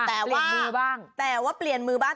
อ้าวแต่ว่าเปรียนมือบ้าง